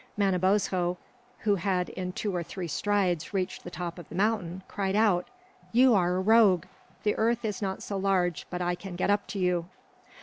Manabozho, who had in two or three strides reached the top of the mountain, cried out: "You are a rogue. The earth is not so large but I can get up to you."